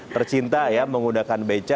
tercinta ya menggunakan beca